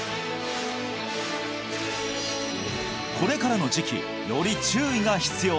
これからの時期より注意が必要！